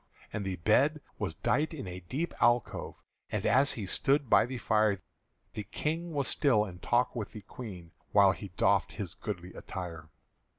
And the bed was dight in a deep alcove; And as he stood by the fire The King was still in talk with the Queen While he doffed his goodly attire.